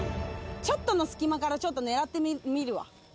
ちょっとの隙間から狙ってみるわ。